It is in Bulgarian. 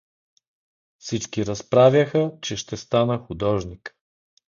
Всички разправяха, че ще стана художник.